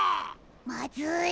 まずい。